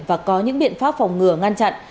và có những biện pháp phòng ngừa ngăn chặn